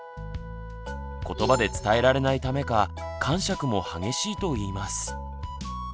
ことばで伝えられないためかかんしゃくも激しいといいます。